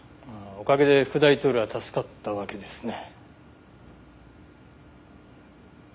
おかげで副大統領は助かったわけですね。